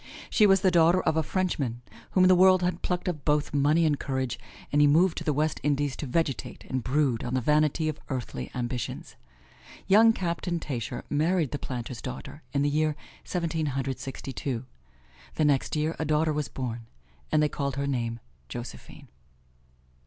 She was the daughter of a Frenchman whom the world had plucked of both money and courage, and he moved to the West Indies to vegetate and brood on the vanity of earthly ambitions. Young Captain Tascher married the planter's daughter in the year Seventeen Hundred Sixty two. The next year a daughter was born, and they called her name Josephine.